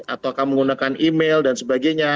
atau akan menggunakan email dan sebagainya